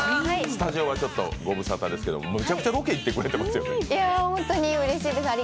スタジオはごぶさたですけれども、めちゃくちゃロケ行ってくれてますよね。